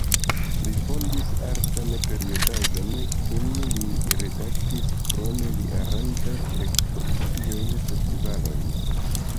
Li fondis artan periodaĵon, kin li redaktis, krome li aranĝas ekspoziciojn, festivalojn.